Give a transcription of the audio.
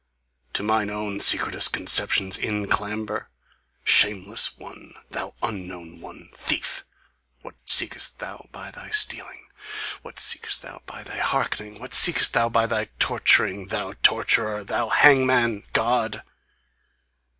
To mine own secretest Conceptions in clamber? Shameless one! Thou unknown one! Thief! What seekst thou by thy stealing? What seekst thou by thy hearkening? What seekst thou by thy torturing? Thou torturer! Thou hangman God!